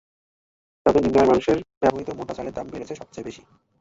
তবে নিম্ন আয়ের মানুষের ব্যবহৃত মোটা চালের দাম বেড়েছে সবচেয়ে বেশি।